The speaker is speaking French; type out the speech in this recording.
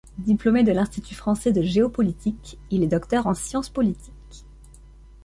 Diplômé de l'Institut français de géopolitique, il est docteur en science politique.